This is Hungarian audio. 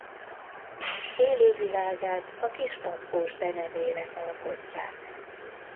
Élővilágát a kis patkósdenevérek alkotják.